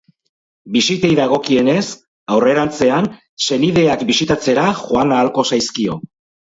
Bisitei dagokienez, aurrerantzean, senideak bisitatzera joan ahalko zaizkio.